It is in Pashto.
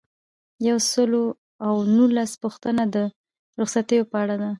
یو سل او نولسمه پوښتنه د رخصتیو په اړه ده.